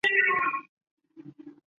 南海殿遗址的历史年代为卡约文化。